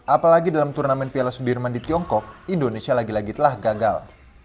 apalagi dalam turnamen piala sudirman di tiongkok indonesia lagi lagi telah gagal